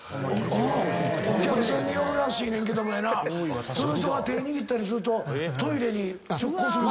お客さんによるらしいねんけどもその人が手握ったりするとトイレに直行する。